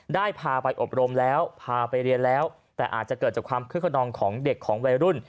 ได้พาไปอบรมแล้วพาไปเรียนแล้วแต่อาจจะเกิดจากความคึกขนองของเด็กของวัยรุ่น